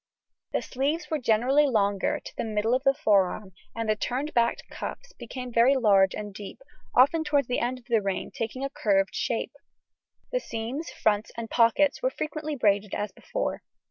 The sleeves were generally longer, to the middle of the forearm, and the turned back cuffs became very large and deep, often towards the end of the reign taking a curved shape. The seams, fronts, and pockets were frequently braided as before.